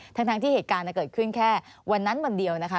ทั้งที่เหตุการณ์เกิดขึ้นแค่วันนั้นวันเดียวนะคะ